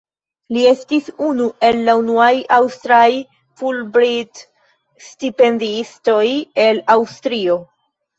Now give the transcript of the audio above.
Li estis unu el la unuaj aŭstraj Fulbright-stipendiistoj el Aŭstrio.